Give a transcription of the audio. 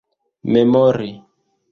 memori